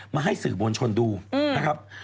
มาให้สื่อมวลชนดูนะครับ